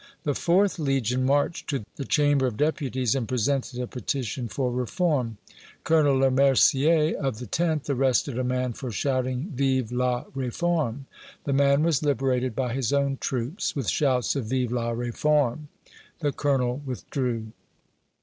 The 4th Legion marched to the Chamber of Deputies and presented a petition for reform. Col. Lemercier, of the 10th, arrested a man for shouting "Vive la Réforme!" The man was liberated by his own troops, with shouts of "Vive la Réforme!" The colonel withdrew.